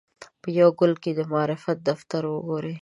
په یوه ګل کې دې د معرفت دفتر وګوري.